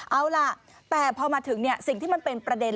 เอาล่ะแต่พอมาถึงสิ่งที่มันเป็นประเด็น